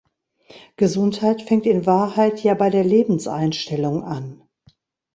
Gesundheit fängt in Wahrheit ja bei der Lebenseinstellung an.